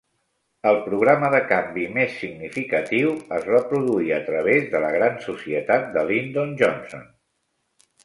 El programa de canvi més significatiu es va produir a través de la Gran Societat de Lyndon Johnson.